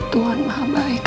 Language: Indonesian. tuhan maha baik